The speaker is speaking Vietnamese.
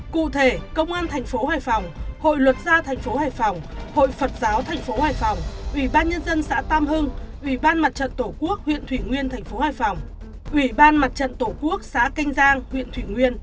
cụ thể công an tp hải phòng hội luật gia tp hải phòng hội phật giáo tp hải phòng ủy ban nhân dân xã tam hưng ủy ban mặt trận tổ quốc huyện thủy nguyên tp hải phòng